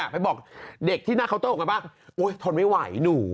ไปบอกเด็กที่หน้าเคาน์เตอร์ของกันบ้างโอ๊ยทนไม่ไหวหนู